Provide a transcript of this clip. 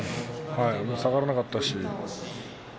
下がらなかったし。